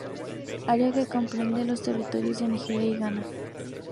Área que comprende los territorios de Nigeria y Ghana.